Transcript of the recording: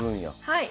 はい。